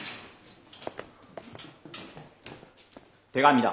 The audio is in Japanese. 手紙だ。